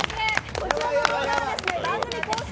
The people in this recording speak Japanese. こちらの動画は番組公式